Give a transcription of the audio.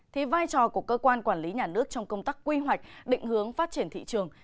thì vai trò của cơ quan quản lý nhà nước trong công tác quy hoạch định hướng phát triển thị trường